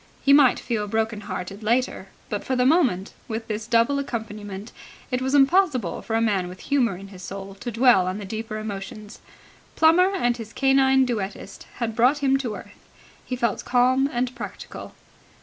He might feel broken hearted later, but for the moment, with this double accompaniment, it was impossible for a man with humour in his soul to dwell on the deeper emotions. Plummer and his canine duettist had brought him to earth. He felt calm and practical.